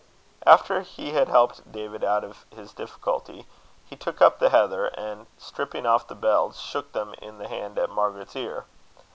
After he had helped David out of his difficulty, he took up the heather, and stripping off the bells, shook them in his hand at Margaret's ear.